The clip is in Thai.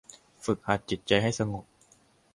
ฝึกหัดจิตใจให้สงบ